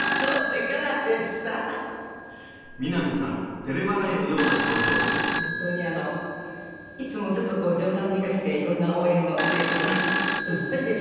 いつもちょっとこう冗談めかしていろんな応援をしてくれます。